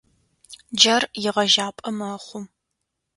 Джар егъэжьапӏэ мэхъу.